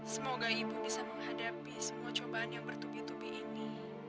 semoga ibu bisa menghadapi semua cobaan yang bertubi tubi ini